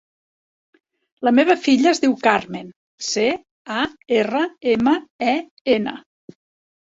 La meva filla es diu Carmen: ce, a, erra, ema, e, ena.